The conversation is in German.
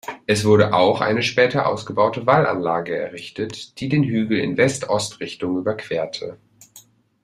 Es wurde auch eine später ausgebaute Wallanlage errichtet, die den Hügel in West-Ost-Richtung überquerte.